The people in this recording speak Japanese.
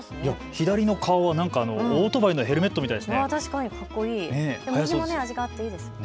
左の顔はオートバイのヘルメットみたいですね。